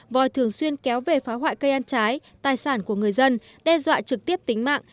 vòi thường xuyên kéo về phá hoại cây ăn trái tài sản của người dân đe dọa trực tiếp tính mạng